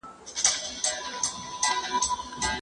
پانګه اچونه د راتلونکي لپاره ډېره اړینه ده.